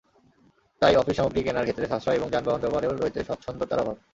তাই অফিস সামগ্রী কেনার ক্ষেত্রে সাশ্রয় এবং যানবাহন ব্যবহারেও রয়েছে স্বচ্ছতার অভাব।